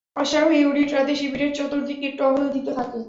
অশ্বারোহী ইউনিট রাতে শিবিরের চতুর্দিকে টহল দিতে থাকে।